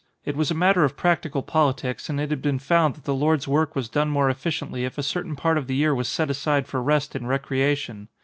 It was a matter of practical politics and it had been found that the Lord's work was done more efficiently if a certain part of the year was set aside for rest and recreation.